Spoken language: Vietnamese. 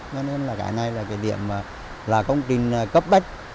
cho nên là cái này là cái điểm là công trình cấp bách